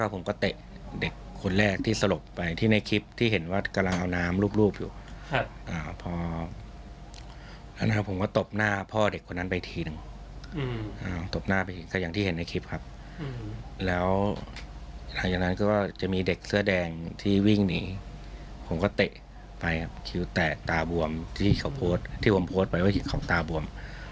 ผมก็เตะไปครับคิดว่าแตะตาบวมที่ผมโพสต์ไปว่าของตาบวม